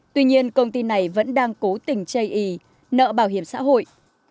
tuy nhiên công ty này vẫn đang cố tình chây ý nợ bảo hiểm xã hội